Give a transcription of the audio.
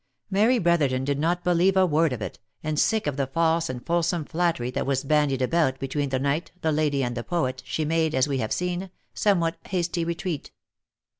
Mary Brotherton did not believe a word of it, and sick of the false and fulsome flattery that was bandied about between the knight, the lady, and the poet, she made, as we have seen, a some what hasty retreat.